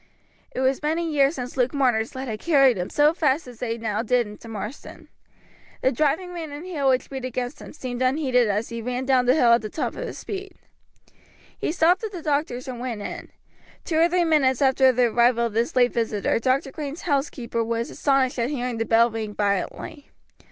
It was many years since Luke Marner's legs had carried him so fast as they now did into Marsden. The driving rain and hail which beat against him seemed unheeded as he ran down the hill at the top of his speed. He stopped at the doctor's and went in. Two or three minutes after the arrival of this late visitor Dr. Green's housekeeper was astonished at hearing the bell ring violently.